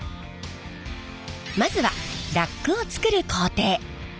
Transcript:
まずはラックを作る工程。